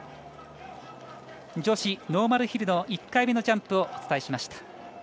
女子ノーマルヒルの１回目のジャンプをお伝えしました。